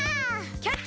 キャッチ！